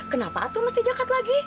kenapa atuh mesti zakat lagi